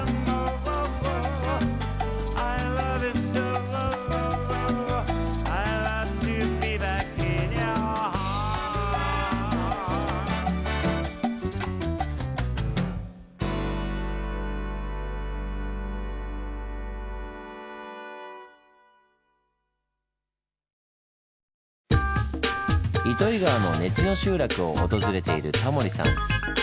糸魚川の根知の集落を訪れているタモリさん。